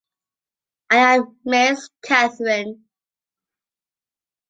I am miss Catherine.